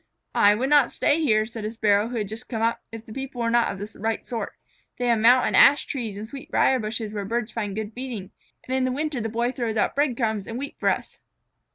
"I would not stay here," said a Sparrow who had just come up, "if the people here were not of the right sort. They have mountain ash trees and sweetbrier bushes where birds find good feeding. And in the winter that Boy throws out bread crumbs and wheat for us."